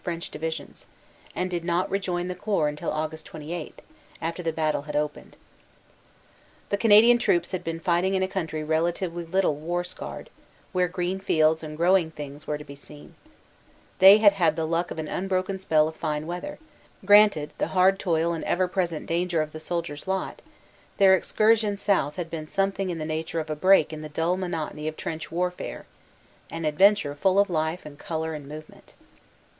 French Divisions, and did not rejoin the Corps until Aug. 28, after the battle had opened. The Canadian troops had been fighting in a country rela tively little war scarred, where green fields and growing things were to be seen ; they had had the luck of an unbroken spell of fine weather; granted the hard toil and ever present danger of the soldier s lot, their excursion south had been something in the nature of a break in the dull monotony of trench warfare, an adventure full of life and color and movement.